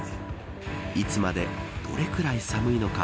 いつまでどれぐらい寒いのか。